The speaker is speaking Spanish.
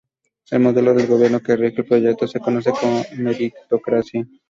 El modelo de gobierno que rige el proyecto se conoce como "Meritocracia".